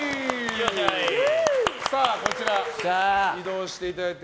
こちら、移動していただいて。